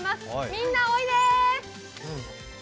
みんなおいでー！